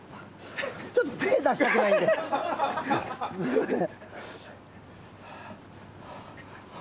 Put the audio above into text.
ちょっと手を出したくないのですみません。